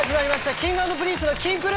Ｋｉｎｇ＆Ｐｒｉｎｃｅの『キンプる。』！